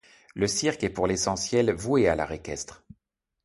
Le cirque est pour l'essentiel voué à l'art équestre.